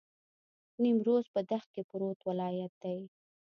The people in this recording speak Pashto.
نیمروز په دښت کې پروت ولایت دی.